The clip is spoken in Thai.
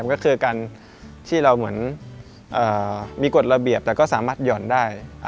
ก็คือการที่เราเหมือนมีกฎระเบียบแต่ก็สามารถหย่อนได้